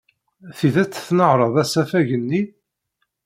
D tidet tnehṛed asafag-nni?